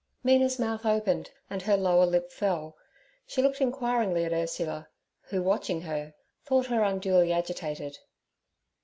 Mina's mouth opened and her lower lip fell. She looked inquiringly at Ursula, who, watching her, thought her unduly agitated.